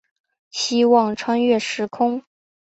希望穿越时空